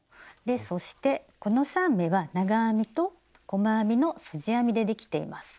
そしてこの３目は長編みと細編みのすじ編みでできています。